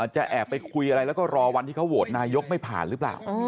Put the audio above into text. จะแอบไปคุยอะไรแล้วก็รอวันที่เขาโหวตนายกไม่ผ่านหรือเปล่า